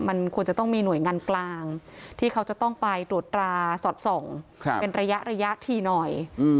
มันควรจะต้องมีหน่วยงานกลางที่เขาจะต้องไปตรวจตราสอดส่องเป็นระยะทีหน่อย